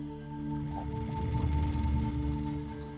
bangun perutmu bos